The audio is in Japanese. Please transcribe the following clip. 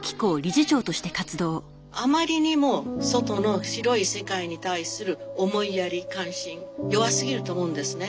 あまりにも外の広い世界に対する思いやり関心弱すぎると思うんですね。